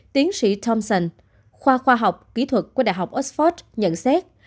tiến sĩ thomson khoa khoa học kỹ thuật của đại học oxford nhận xét